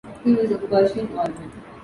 He was of Persian origin.